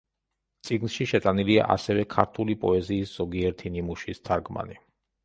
წიგნში შეტანილია ასევე ქართული პოეზიის ზოგიერთი ნიმუშის თარგმანი.